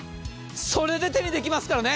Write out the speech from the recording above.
それで手にできますからね。